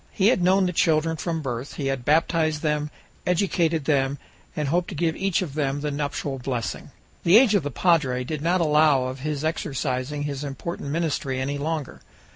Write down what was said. He had known the children from birth; he had baptized them, educated them, and hoped to give each of them the nuptial blessing. The age of the padre did not allow of his exercising his important ministry any longer.